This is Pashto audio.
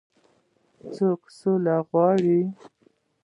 څوک سوله غواړي.